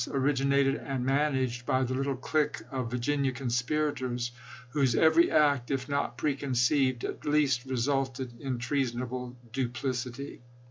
originated and managed by the little clique of Virginia conspirators whose every act, if not preconceived, at least resulted in treasonable duplicity.